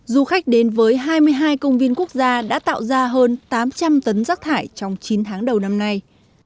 du khách đến với hai mươi hai công viên quốc gia đã tạo ra hơn tám trăm linh tấn rác thải trong chín tháng đầu năm nay